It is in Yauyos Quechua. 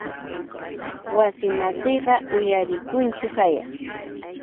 Wasimasiyqa uyarikunchu qay.